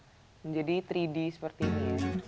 dan akhirnya bisa menjadi tiga d seperti ini